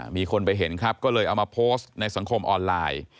มีคนไปเห็นครับก็เลยเอามาโพสต์ในสังคมออนไลน์